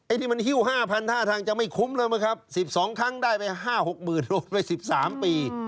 ไอ้นี่มันหิ้ว๕๐๐๐ถ้าทางจะไม่คุ้มเลยไหมครับ๑๒ครั้งได้ไป๕๖หมื่นโดนไป๑๓ปี